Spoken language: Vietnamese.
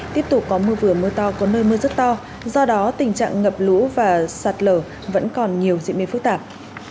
tiếp tục có mưa vừa mưa to có nơi mưa rất to do đó tình trạng ngập lũ và sạt lở vẫn còn nhiều diễn biến phức tạp